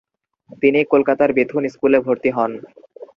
তিনি কলকাতার বেথুন স্কুলে ভর্তি হন।